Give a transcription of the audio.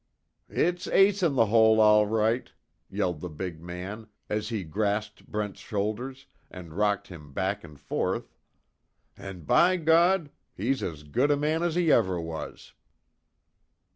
"It's Ace In The Hole, all right!" yelled the big man, as he grasped Brent's shoulders, and rocked him back and forth, "An' by God! _He's as good a man as he ever was!